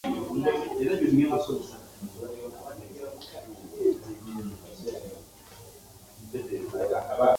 Abasajja obutamatira bubaviirako okukola obwenzi.